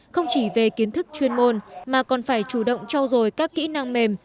không chỉ về kiến thức chuyên môn mà còn phải chủ động trao dồi các kỹ năng mềm